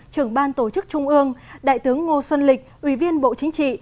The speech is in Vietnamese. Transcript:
trưởng ban tổ chức trung ương đại tướng ngô xuân lịch ủy viên bộ chính trị